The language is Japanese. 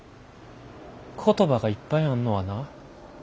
言葉がいっぱいあんのはな